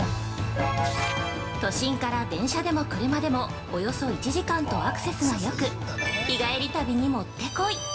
都心から電車でも車でもおよそ１時間とアクセスがよく日帰り旅にもってこい。